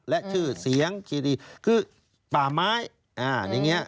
และชื่อเสียงคือป่าม้าย